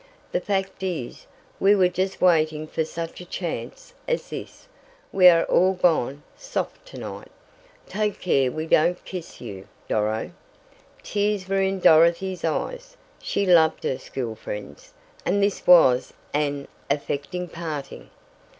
"The fact is, we were just waiting for such a chance as this. We are all gone soft to night. Take care we don't kiss you, Doro." Tears were in Dorothy's eyes. She loved her school friends, and this was an affecting parting.